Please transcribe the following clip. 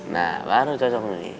nah baru cocok ini